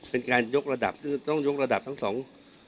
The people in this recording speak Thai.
เป็นการยกระดับซึ่งต้องยกระดับทั้งสอง